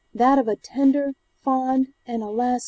that of a tender, fond, and alas!